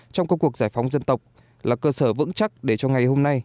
trong các cuộc giải phóng dân tộc là cơ sở vững chắc để cho ngày hôm nay